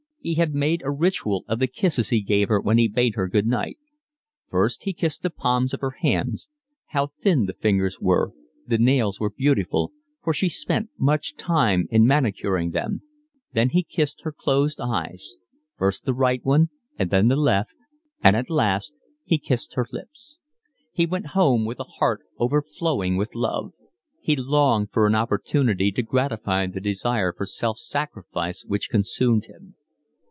He had made a ritual of the kisses he gave her when he bade her good night; first he kissed the palms of her hands (how thin the fingers were, the nails were beautiful, for she spent much time in manicuring them,) then he kissed her closed eyes, first the right one and then the left, and at last he kissed her lips. He went home with a heart overflowing with love. He longed for an opportunity to gratify the desire for self sacrifice which consumed him.